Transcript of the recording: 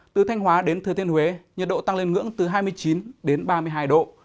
từ thanh hóa đến thừa thiên huế nhiệt độ tăng lên ngưỡng từ hai mươi chín đến ba mươi hai độ